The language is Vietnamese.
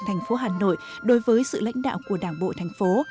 thành phố hà nội đối với sự lãnh đạo của đảng bộ thành phố